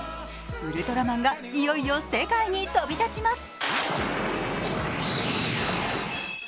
ウルトラマンがいよいよ世界に飛び立ちます。